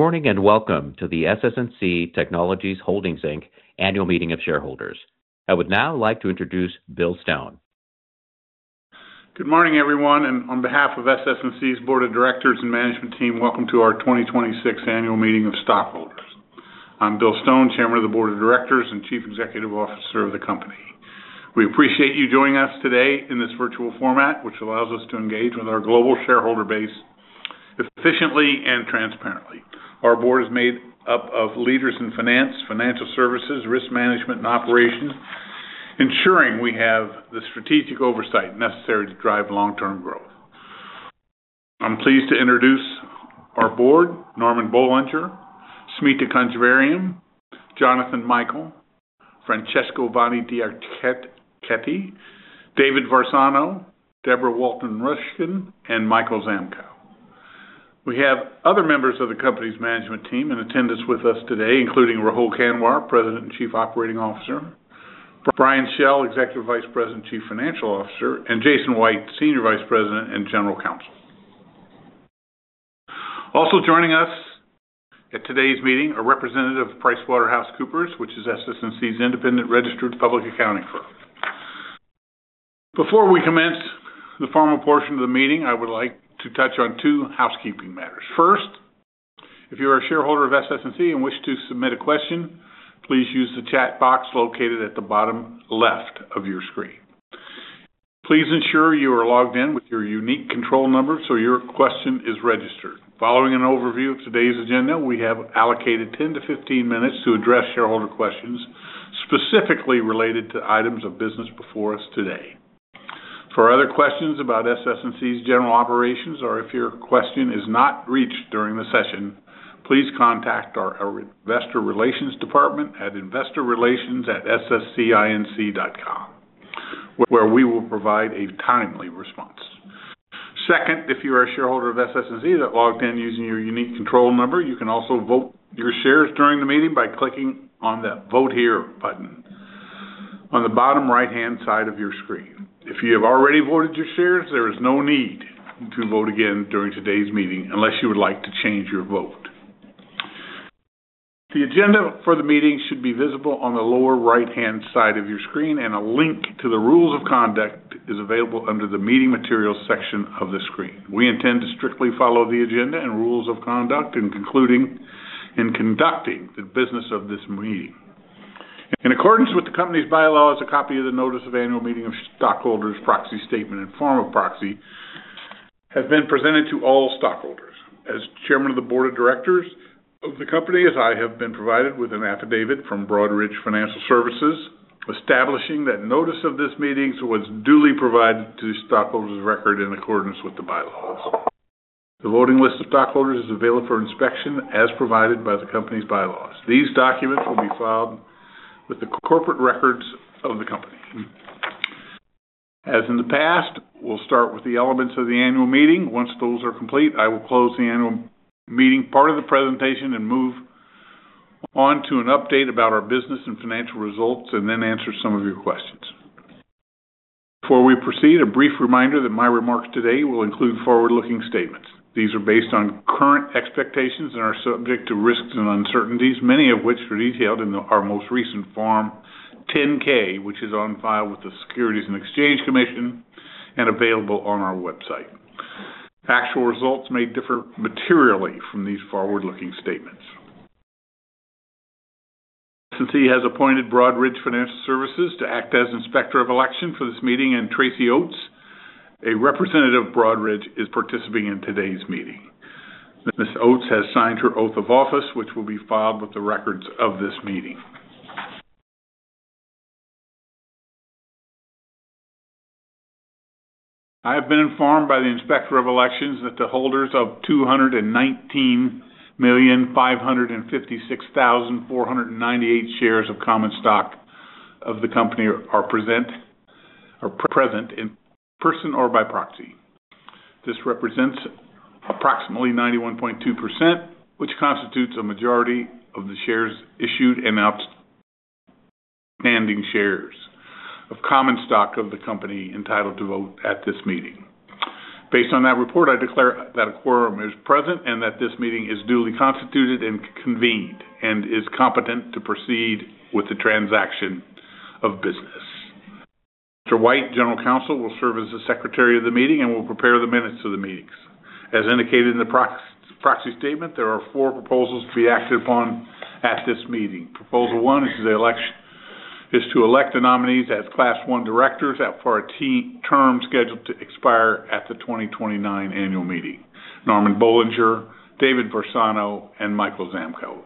Good morning, and welcome to the SS&C Technologies Holdings, Inc. Annual Meeting of Shareholders. I would now like to introduce Bill Stone. Good morning, everyone, and on behalf of SS&C's Board of Directors and Management Team, welcome to our 2026 Annual Meeting of Stockholders. I'm Bill Stone, Chairman of the Board of Directors and Chief Executive Officer of the company. We appreciate you joining us today in this virtual format, which allows us to engage with our global shareholder base efficiently and transparently. Our board is made up of leaders in finance, financial services, risk management, and operations, ensuring we have the strategic oversight necessary to drive long-term growth. I'm pleased to introduce our board, Normand Boulanger, Smita Conjeevaram, Jonathan Michael, Francesco Vanni d'Archirafi, David Varsano, Debra Walton-Ruskin, and Michael Zamkow. We have other members of the company's management team in attendance with us today, including Rahul Kanwar, President and Chief Operating Officer, Brian Schell, Executive Vice President and Chief Financial Officer, and Jason White, Senior Vice President and General Counsel. Joining us at today's meeting are representative PricewaterhouseCoopers, which is SS&C's independent registered public accounting firm. Before we commence the formal portion of the meeting, I would like to touch on two housekeeping matters. First, if you are a shareholder of SS&C and wish to submit a question, please use the chat box located at the bottom left of your screen. Please ensure you are logged in with your unique control number so your question is registered. Following an overview of today's agenda, we have allocated 10-15 minutes to address shareholder questions specifically related to items of business before us today. For other questions about SS&C's general operations, or if your question is not reached during the session, please contact our investor relations department at investorrelations@sscinc.com, where we will provide a timely response. Second, if you are a shareholder of SS&C that logged in using your unique control number, you can also vote your shares during the meeting by clicking on that Vote Here button on the bottom right-hand side of your screen. If you have already voted your shares, there is no need to vote again during today's meeting unless you would like to change your vote. The agenda for the meeting should be visible on the lower right-hand side of your screen, and a link to the rules of conduct is available under the Meeting Materials section of the screen. We intend to strictly follow the agenda and rules of conduct in conducting the business of this meeting. In accordance with the company's bylaws, a copy of the notice of annual meeting of stockholders proxy statement and form of proxy have been presented to all stockholders. As chairman of the board of directors of the company, I have been provided with an affidavit from Broadridge Financial Services, establishing that notice of these meetings was duly provided to stockholders of record in accordance with the bylaws. The voting list of stockholders is available for inspection as provided by the company's bylaws. These documents will be filed with the corporate records of the company. As in the past, we'll start with the elements of the annual meeting. Once those are complete, I will close the annual meeting part of the presentation and move on to an update about our business and financial results, and then answer some of your questions. Before we proceed, a brief reminder that my remarks today will include forward-looking statements. These are based on current expectations and are subject to risks and uncertainties, many of which are detailed in our most recent Form 10-K, which is on file with the Securities and Exchange Commission and available on our website. Actual results may differ materially from these forward-looking statements. SS&C has appointed Broadridge Financial Services to act as Inspector of Election for this meeting, and Tracy Oates, a representative of Broadridge, is participating in today's meeting. Ms. Oates has signed her oath of office, which will be filed with the records of this meeting. I have been informed by the Inspector of Elections that the holders of 219,556,498 shares of common stock of the company are present in person or by proxy. This represents approximately 91.2%, which constitutes a majority of the shares issued and outstanding shares of common stock of the company entitled to vote at this meeting. Based on that report, I declare that a quorum is present and that this meeting is duly constituted and convened and is competent to proceed with the transaction of business. Mr. White, General Counsel, will serve as the secretary of the meeting and will prepare the minutes of the meetings. As indicated in the proxy statement, there are four proposals to be acted upon at this meeting. Proposal 1 is to elect the nominees as Class 1 directors for a term scheduled to expire at the 2029 annual meeting: Normand Boulanger, David Varsano, and Michael Zamkow.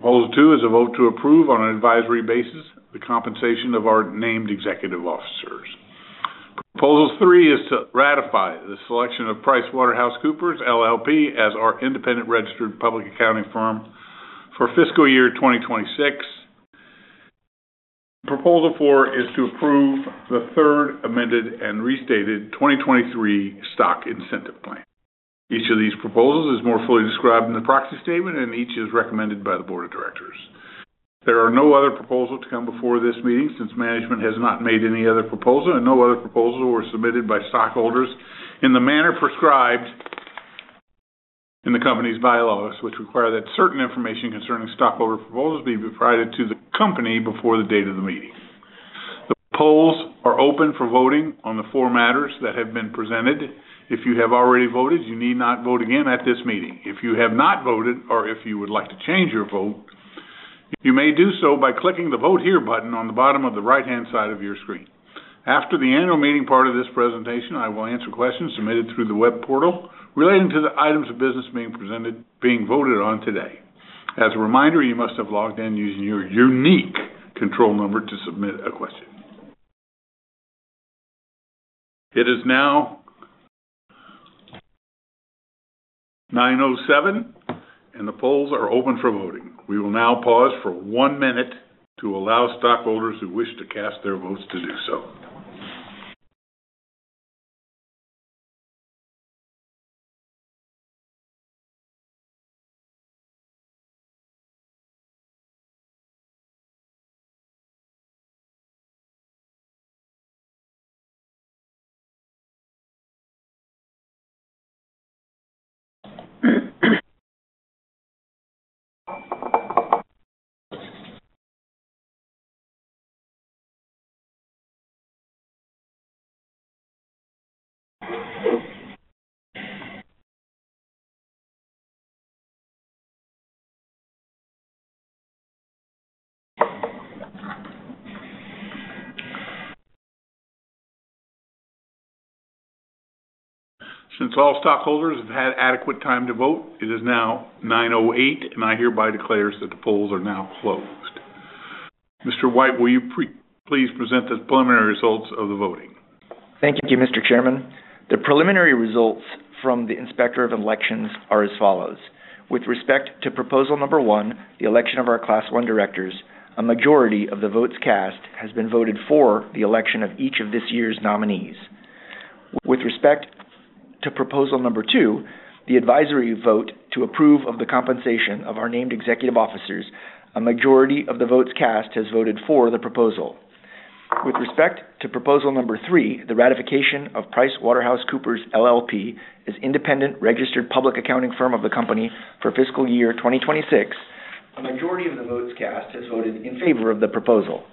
Proposal 2 is a vote to approve on an advisory basis the compensation of our named executive officers. Proposal 3 is to ratify the selection of PricewaterhouseCoopers LLP as our independent registered public accounting firm for fiscal year 2026. Proposal 4 is to approve the Third Amended and Restated 2023 Stock Incentive Plan. Each of these proposals is more fully described in the proxy statement, and each is recommended by the board of directors. There are no other proposal to come before this meeting since management has not made any other proposal and no other proposal were submitted by stockholders in the manner prescribed in the company's bylaws, which require that certain information concerning stockholder proposals be provided to the company before the date of the meeting. The polls are open for voting on the four matters that have been presented. If you have already voted, you need not vote again at this meeting. If you have not voted or if you would like to change your vote, you may do so by clicking the Vote Here button on the bottom of the right-hand side of your screen. After the annual meeting part of this presentation, I will answer questions submitted through the web portal relating to the items of business being voted on today. As a reminder, you must have logged in using your unique control number to submit a question. It is now 9:07 A.M. and the polls are open for voting. We will now pause for one minute to allow stockholders who wish to cast their votes to do so. Since all stockholders have had adequate time to vote, it is now 9:08 A.M. and I hereby declare that the polls are now closed. Mr. White, will you please present the preliminary results of the voting? Thank you, Mr. Chairman. The preliminary results from the Inspector of Elections are as follows. With respect to proposal number 1, the election of our class 1 directors, a majority of the votes cast has been voted for the election of each of this year's nominees. With respect to proposal number 2, the advisory vote to approve of the compensation of our named executive officers, a majority of the votes cast has voted for the proposal. With respect to proposal number 3, the ratification of PricewaterhouseCoopers LLP as independent registered public accounting firm of the company for fiscal year 2026, a majority of the votes cast has voted in favor of the proposal.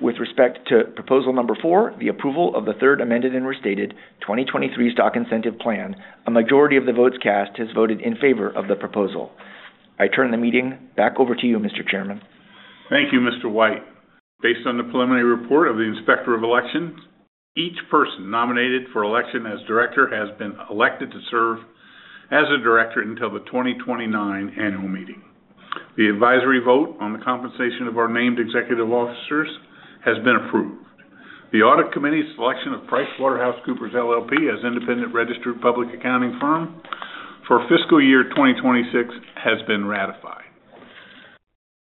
With respect to proposal number 4, the approval of the Third Amended and Restated 2023 Stock Incentive Plan, a majority of the votes cast has voted in favor of the proposal. I turn the meeting back over to you, Mr. Chairman. Thank you, Mr. White. Based on the preliminary report of the Inspector of Elections, each person nominated for election as director has been elected to serve as a director until the 2029 annual meeting. The advisory vote on the compensation of our named executive officers has been approved. The Audit Committee's selection of PricewaterhouseCoopers LLP as independent registered public accounting firm for fiscal year 2026 has been ratified.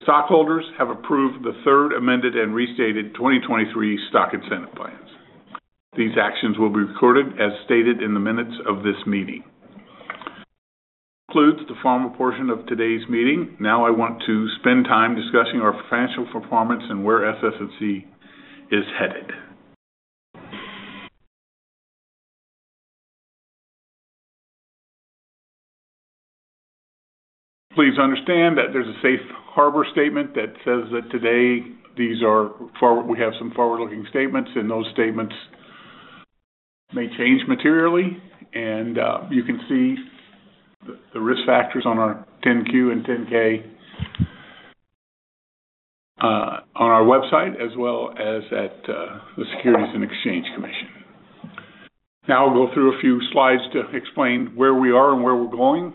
Stockholders have approved the Third Amended and Restated 2023 Stock Incentive Plan. These actions will be recorded as stated in the minutes of this meeting. This concludes the formal portion of today's meeting. Now I want to spend time discussing our financial performance and where SS&C is headed. Please understand that there's a safe harbor statement that says that today we have some forward-looking statements and those statements may change materially and you can see the risk factors on our 10-Q and 10-K on our website as well as at the Securities and Exchange Commission. I'll go through a few slides to explain where we are and where we're going.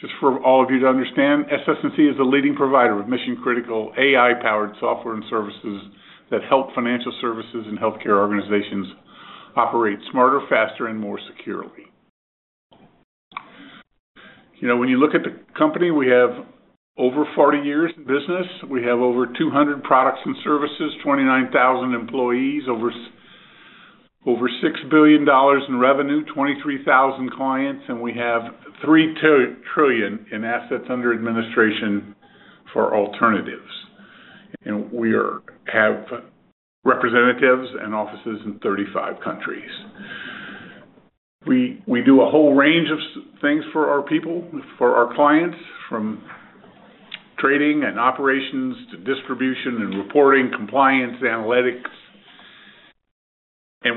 Just for all of you to understand, SS&C is a leading provider of mission-critical AI-powered software and services that help financial services and healthcare organizations operate smarter, faster, and more securely. When you look at the company, we have over 40 years in business. We have over 200 products and services, 29,000 employees, over $6 billion in revenue, 23,000 clients, and we have $3 trillion in assets under administration for alternatives. We have representatives and offices in 35 countries. We do a whole range of things for our people, for our clients, from trading and operations to distribution and reporting, compliance, analytics.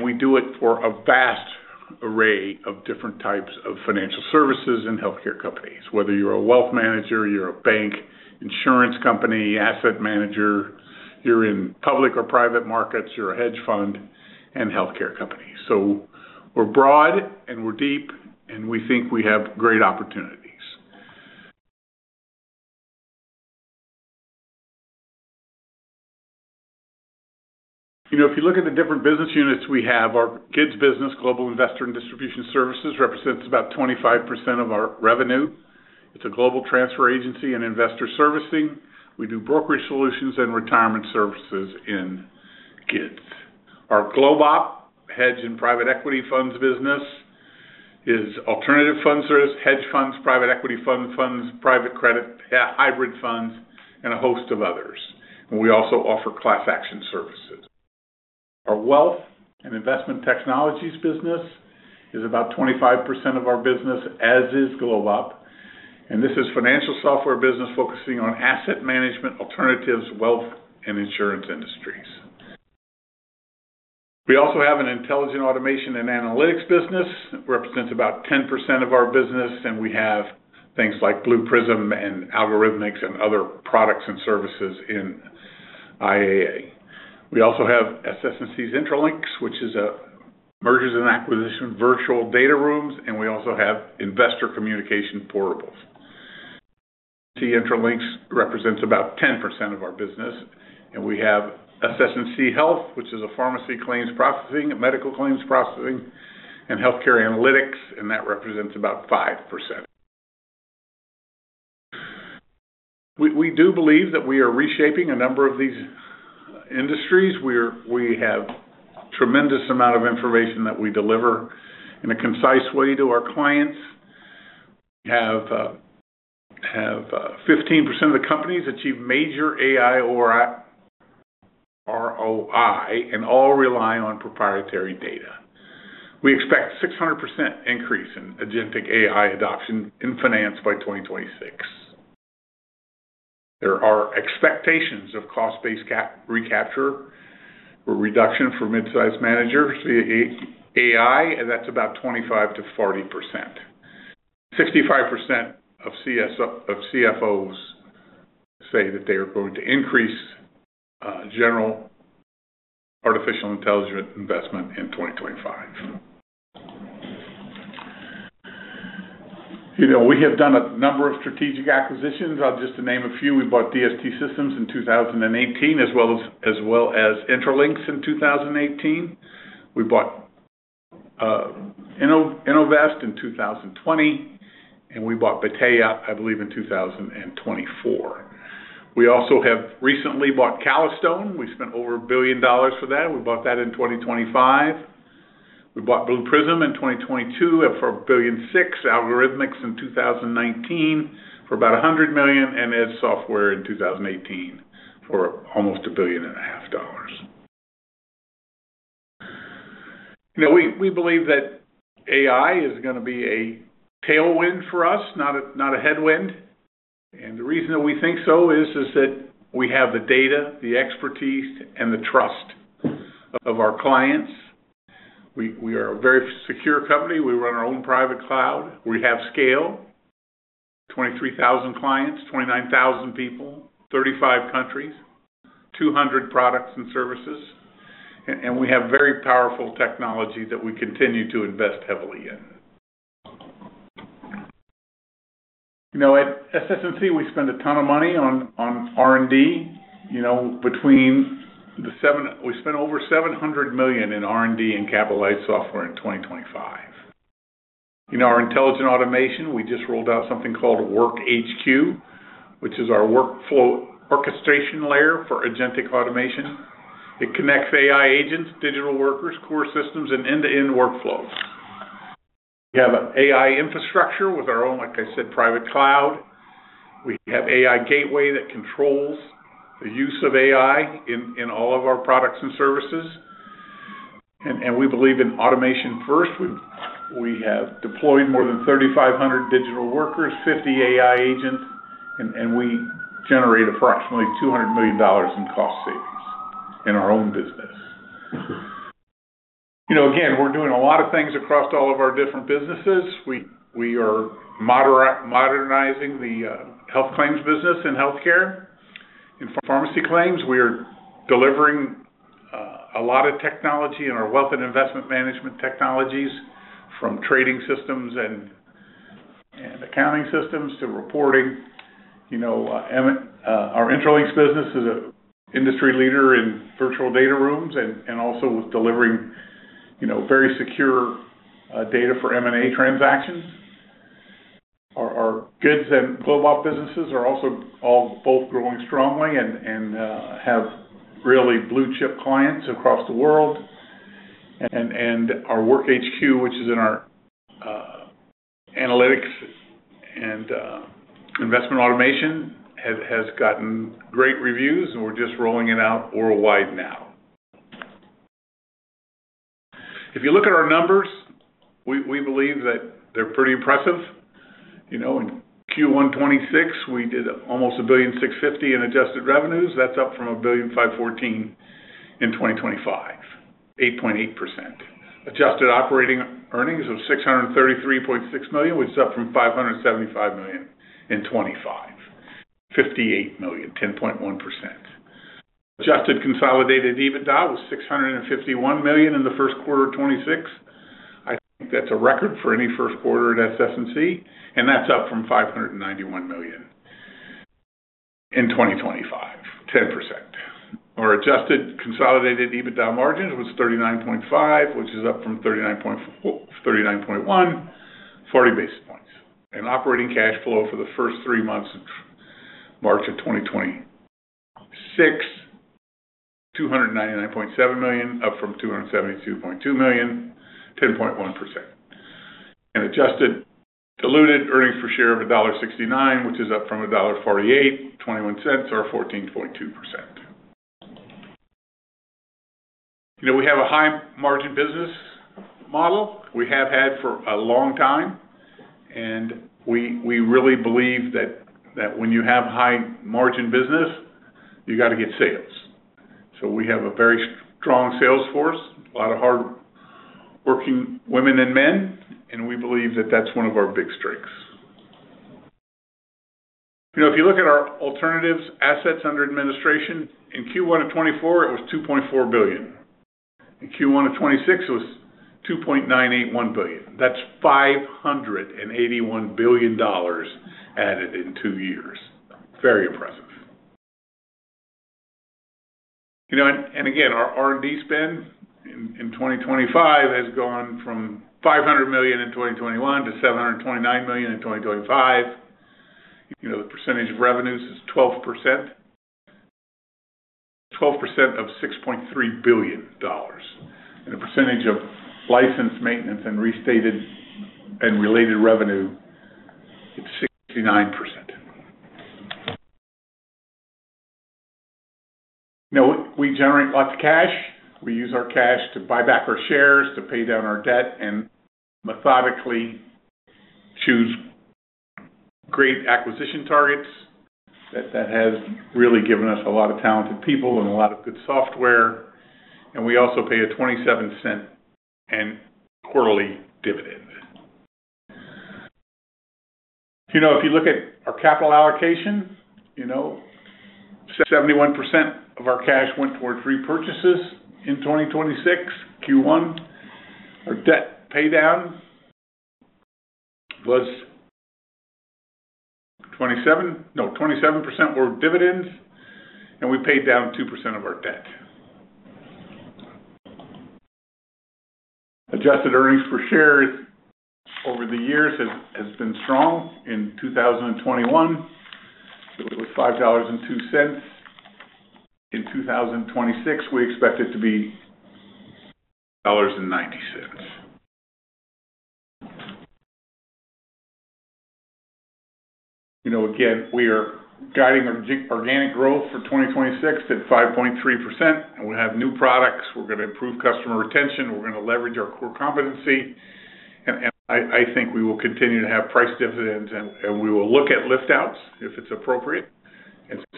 We do it for a vast array of different types of financial services and healthcare companies, whether you're a wealth manager, you're a bank, insurance company, asset manager, you're in public or private markets, you're a hedge fund and healthcare companies. We're broad and we're deep and we think we have great opportunities. If you look at the different business units we have, our GIDS business, Global Investor and Distribution Services, represents about 25% of our revenue. It's a global transfer agency and investor servicing. We do brokerage solutions and retirement services in GIDS. Our GlobeOp hedge and private equity funds business is alternative fund service, hedge funds, private equity funds, private credit, hybrid funds, and a host of others. We also offer class action services. Our wealth and investment technologies business is about 25% of our business, as is GlobeOp. This is financial software business focusing on asset management, alternatives, wealth, and insurance industries. We also have an Intelligent Automation and Analytics business, represents about 10% of our business, and we have things like Blue Prism and Algorithmics and other products and services in IAA. We also have SS&C Intralinks, which is a mergers and acquisition virtual data rooms, and we also have investor communication portals. Intralinks represents about 10% of our business, and we have SS&C Health, which is a pharmacy claims processing, a medical claims processing, and healthcare analytics, and that represents about 5%. We do believe that we are reshaping a number of these industries. We have tremendous amount of information that we deliver in a concise way to our clients. We have 15% of the companies achieve major AI ROI, and all rely on proprietary data. We expect 600% increase in agentic AI adoption in finance by 2026. There are expectations of cost-based recapture or reduction for mid-size managers AI, and that's about 25%-40%. 65% of CFOs say that they are going to increase general artificial intelligence investment in 2025. We have done a number of strategic acquisitions. Just to name a few, we bought DST Systems in 2018, as well as Intralinks in 2018. We bought Innovest in 2020, and we bought Battea, I believe, in 2024. We also have recently bought Calastone. We spent over $1 billion for that. We bought that in 2025. We bought Blue Prism in 2022 for $1.6 billion, Algorithmics in 2019 for about $100 million, and Eze Software in 2018 for almost $1.5 billion. We believe that AI is going to be a tailwind for us, not a headwind. The reason that we think so is that we have the data, the expertise, and the trust of our clients. We are a very secure company. We run our own private cloud. We have scale, 23,000 clients, 29,000 people, 35 countries, 200 products and services, and we have very powerful technology that we continue to invest heavily in. At SS&C, we spend a ton of money on R&D. We spent over $700 million in R&D in capitalized software in 2025. In our intelligent automation, we just rolled out something called Work HQ, which is our workflow orchestration layer for agentic automation. It connects AI agents, digital workers, core systems, and end-to-end workflows. We have an AI infrastructure with our own, like I said, private cloud. We have AI Gateway that controls the use of AI in all of our products and services. We believe in automation first. We have deployed more than 3,500 digital workers, 50 AI agents, and we generate approximately $200 million in cost savings in our own business. Again, we're doing a lot of things across all of our different businesses. We are modernizing the health claims business in healthcare. In pharmacy claims, we are delivering a lot of technology in our wealth and investment management technologies, from trading systems and accounting systems to reporting. Our Intralinks business is an industry leader in virtual data rooms and also with delivering very secure data for M&A transactions. Our GIDS and GlobeOp businesses are also all both growing strongly and have really blue-chip clients across the world. Our WorkHQ, which is in our analytics and investment automation, has gotten great reviews, and we're just rolling it out worldwide now. If you look at our numbers, we believe that they're pretty impressive. In Q1 2026, we did almost $1.65 billion in adjusted revenues. That's up from $1.514 billion in 2025, 8.8%. Adjusted operating earnings of $633.6 million, which is up from $575 million in 2025. $58 million, 10.1%. Adjusted consolidated EBITDA was $651 million in the first quarter of 2026. I think that's a record for any first quarter at SS&C, and that's up from $591 million in 2025, 10%. Our adjusted consolidated EBITDA margin was 39.5%, which is up from 39.1%, 40 basis points. Operating cash flow for the first three months of March of 2026, $199.7 million, up from $272.2 million, 10.1%. Adjusted diluted earnings per share of $1.69, which is up from $1.48, $0.21, or 14.2%. We have a high margin business model. We have had for a long time. We really believe that when you have high margin business, you got to get sales. We have a very strong sales force, a lot of hard working women and men. We believe that that's one of our big strengths. If you look at our alternatives assets under administration, in Q1 of 2024, it was $2.4 billion. In Q1 of 2026, it was $2.981 billion. That's $581 billion added in two years. Very impressive. Again, our R&D spend in 2025 has gone from $500 million in 2021 to $729 million in 2025. The percentage of revenues is 12%. 12% of $6.3 billion. The percentage of licensed maintenance and restated and related revenue is 69%. We generate lots of cash. We use our cash to buy back our shares, to pay down our debt, and methodically choose great acquisition targets that has really given us a lot of talented people and a lot of good software. We also pay a $0.27 and quarterly dividend. If you look at our capital allocation, 71% of our cash went towards repurchases in 2026, Q1. Our debt pay down was 27% were dividends, and we paid down 2% of our debt. Adjusted earnings per share over the years has been strong. In 2021, it was $5.02. In 2026, we expect it to be $1.90. Again, we are guiding our organic growth for 2026 at 5.3%, and we have new products. We're going to improve customer retention. We're going to leverage our core competency. I think we will continue to have price dividends, and we will look at lift-outs if it's appropriate.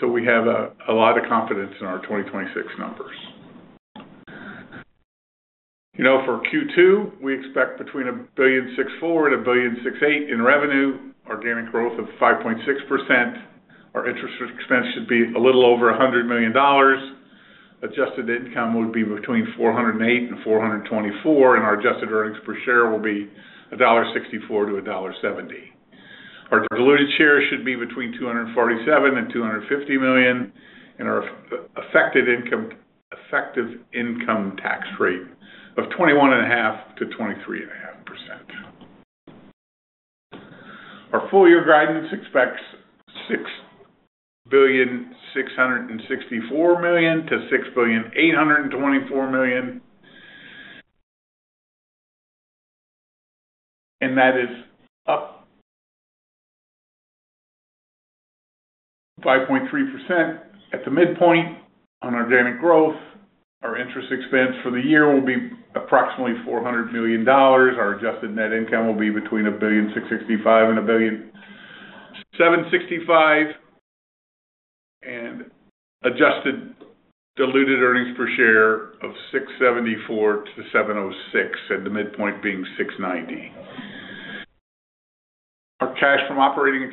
We have a lot of confidence in our 2026 numbers. For Q2, we expect between $1.64 billion and $1.68 billion in revenue, organic growth of 5.6%. Our interest expense should be a little over $100 million. Adjusted income would be between $408 million and $424 million, and our adjusted earnings per share will be $1.64 to $1.70. Our diluted shares should be between 247 million and 250 million, and our effective income tax rate of 21.5%-23.5%. Our full year guidance expects $6,664 million to $6,824 million, and that is up 5.3% at the midpoint on organic growth. Our interest expense for the year will be approximately $400 million. Our adjusted net income will be between $1.665 billion and $1.765 billion. Adjusted diluted earnings per share of $6.74 to $7.06, and the midpoint being $6.90. Our cash from operating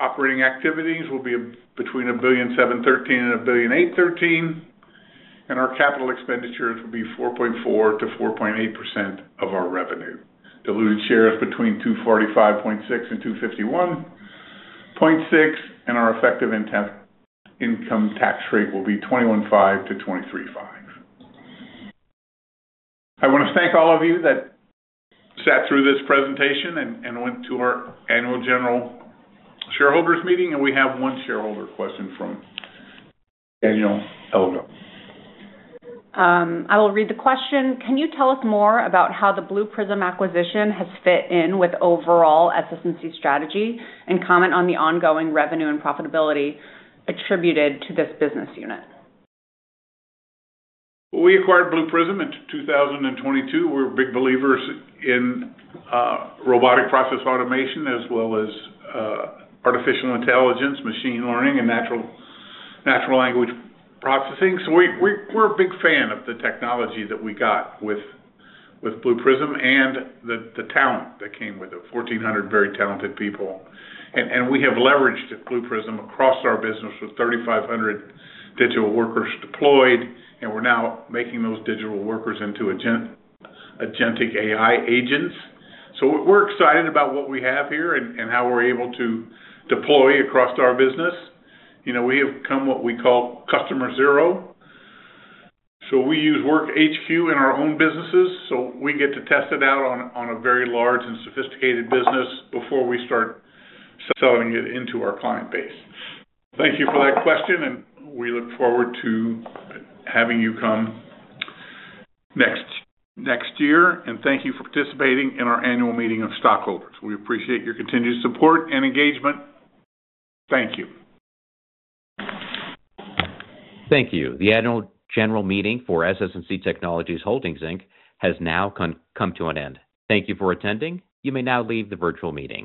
activities will be between $1.713 billion and $1.813 billion, and our capital expenditures will be 4.4%-4.8% of our revenue. Diluted shares between 245.6 million and 251.6 million, and our effective income tax rate will be 21.5%-23.5%. I want to thank all of you that sat through this presentation and went to our annual general shareholders meeting. We have one shareholder question from Daniel Elgo. I will read the question. Can you tell us more about how the Blue Prism acquisition has fit in with overall SS&C strategy and comment on the ongoing revenue and profitability attributed to this business unit? We acquired Blue Prism in 2022. We're big believers in robotic process automation as well as artificial intelligence, machine learning, and natural language processing. We're a big fan of the technology that we got with Blue Prism and the talent that came with it, 1,400 very talented people. We have leveraged Blue Prism across our business with 3,500 digital workers deployed, and we're now making those digital workers into agentic AI agents. We're excited about what we have here and how we're able to deploy across our business. We have become what we call customer zero. We use WorkHQ in our own businesses, so we get to test it out on a very large and sophisticated business before we start selling it into our client base. Thank you for that question, and we look forward to having you come next year. Thank you for participating in our annual meeting of stockholders. We appreciate your continued support and engagement. Thank you. Thank you. The annual general meeting for SS&C Technologies Holdings, Inc. has now come to an end. Thank you for attending. You may now leave the virtual meeting.